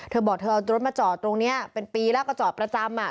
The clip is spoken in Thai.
เธอบอกเธอเอารถมาจอดตรงนี้เป็นปีแล้วก็จอดประจำ